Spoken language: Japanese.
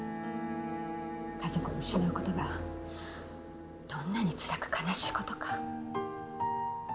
家族を失うことがどんなにつらく悲しいことか。